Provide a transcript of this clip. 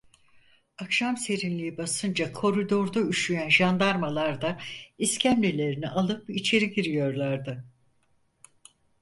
Akşam serinliği basınca koridorda üşüyen jandarmalar da iskemlelerini alıp içeri giriyorlardı.